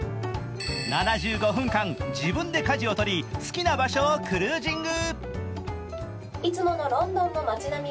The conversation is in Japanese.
７５分間、自分で舵を取り、好きな場所をクルージング。